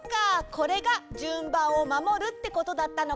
これがじゅんばんをまもるってことだったのか！